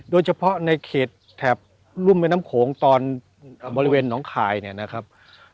โดยเฉพาะในเขตแถบรุ่มแม่น้ำโขงตอนบริเวณหนองคายเนี่ยนะครับ